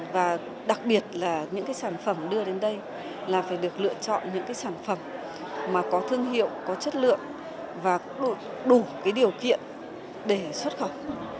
và đặc biệt là những cái sản phẩm đưa đến đây là phải được lựa chọn những cái sản phẩm mà có thương hiệu có chất lượng và cũng đủ cái điều kiện để xuất khẩu